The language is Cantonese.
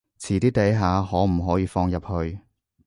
遲啲睇下可唔可以放入去